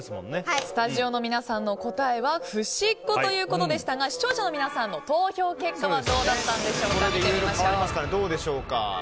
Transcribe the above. スタジオの皆さんの答えはふしっこということでしたが視聴者の皆さんの投票結果はどうなったか見てみましょう。